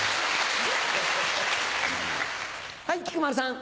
はい菊丸さん。